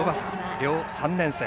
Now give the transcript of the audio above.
両３年生